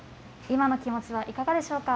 今の気持ちはいかがでしょうか。